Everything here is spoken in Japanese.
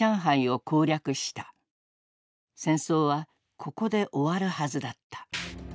戦争はここで終わるはずだった。